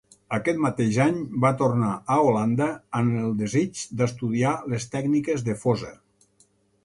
Aquest mateix any va tornar a Holanda amb el desig d'estudiar les tècniques de fosa.